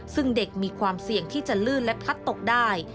ซึ่งเด็กมีความเสี่ยงที่จะลื่นและพลัดตกได้